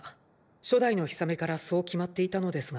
初代のヒサメからそう決まっていたのですが。